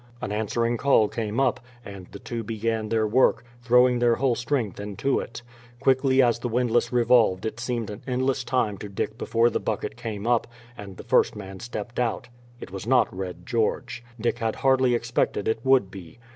An answering call came up, and the two began their work, throwing their whole strength into it. Quickly as the windlass revolved it seemed an endless time to Dick before the bucket came up, and the first man stepped out. It was not Red George. Dick had hardly expected it would be.